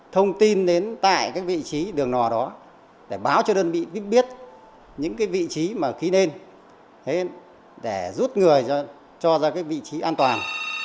thông tin đến tại vị trí đường nò đó để báo cho đơn vị biết những vị trí khí nên để rút người cho ra vị trí an toàn